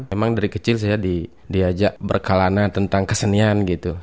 emang dari kecil saya diajak berkalana tentang kesenian gitu